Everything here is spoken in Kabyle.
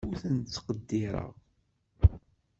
Ur ten-ttqeddireɣ.